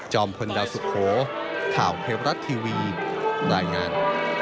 พลดาวสุโขข่าวเทวรัฐทีวีรายงาน